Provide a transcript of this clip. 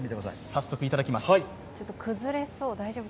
早速いただきます。